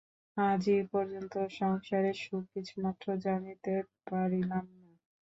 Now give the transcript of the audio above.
আজি পর্যন্ত সংসারের সুখ কিছুমাত্র জানিতে পারিলাম না।